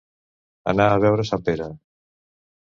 Anar a veure Sant Pere.